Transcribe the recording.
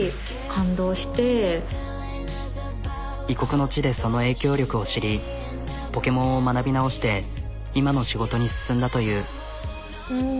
異国の地でその影響力を知りポケモンを学び直して今の仕事に進んだという。